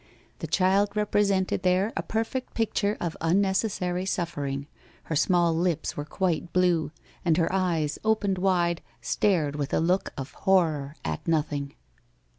The child represented there a perfect picture of unnecessary suffering. Her small lips were quite blue, and her eyes, opened wide, stared with a look of horror at nothing.